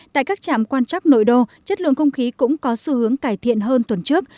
tại các trạm quan trắc nội đô chất lượng không khí cũng có xu hướng cải thiện hơn tuần trước